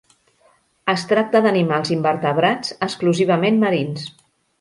Es tracta d'animals invertebrats, exclusivament marins.